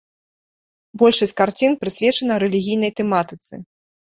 Большасць карцін прысвечана рэлігійнай тэматыцы.